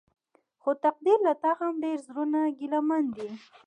خو تقديره له تا هم ډېر زړونه ګيلمن دي.